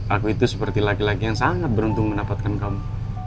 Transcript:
aku itu seperti laki laki yang sangat beruntung mendapatkan kamu